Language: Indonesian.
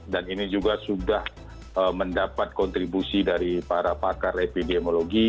dan ini juga sudah mendapat kontribusi dari para pakar epidemiologi